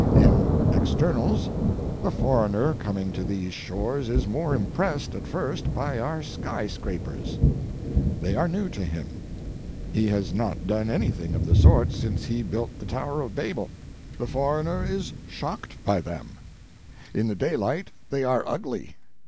In externals the foreigner coming to these shores is more impressed at first by our sky scrapers. They are new to him. He has not done anything of the sort since he built the tower of Babel. The foreigner is shocked by them. In the daylight they are ugly.